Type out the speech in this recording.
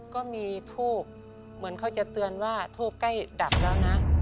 ก็มีทูบเหมือนเขาจะเตือนว่าทูบใกล้ดับแล้วนะ